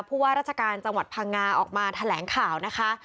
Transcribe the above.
ผู้ว่าราชการจังหวัดพังงาออกมาแถลงข่าวนะคะ